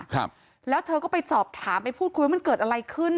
ครับแล้วเธอก็ไปสอบถามไปพูดคุยว่ามันเกิดอะไรขึ้น